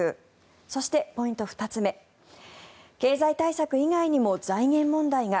そしてポイント２つ目経済対策以外にも財源問題が。